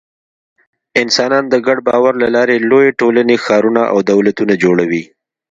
انسانان د ګډ باور له لارې لویې ټولنې، ښارونه او دولتونه جوړوي.